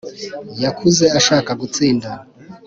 Yakuze ashaka gutsinda